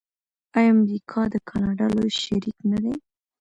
آیا امریکا د کاناډا لوی شریک نه دی؟